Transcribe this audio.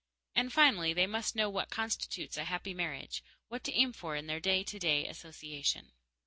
And finally, they must know what constitutes a happy marriage what to aim for in their day to day association.